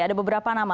ada beberapa nama